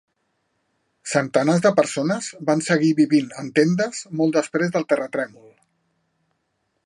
Centenars de persones van seguir vivint en tendes molt després del terratrèmol.